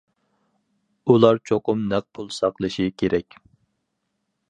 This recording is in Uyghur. ئۇلار چوقۇم نەق پۇل ساقلىشى كېرەك.